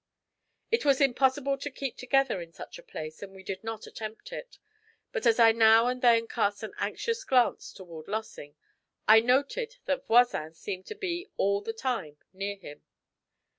It was impossible to keep together in such a place, and we did not attempt it; but as I now and then cast an anxious glance toward Lossing, I noted that Voisin seemed to be all the time near him.